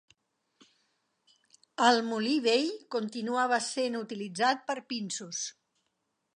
El molí vell continuava sent utilitzat per pinsos.